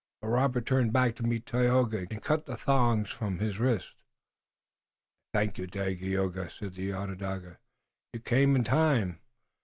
But Robert turned back to meet Tayoga and cut the thongs from his wrists. "I thank you, Dagaeoga," said the Onondaga. "You came in time."